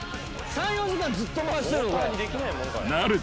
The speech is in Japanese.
３４時間ずっと回してるの？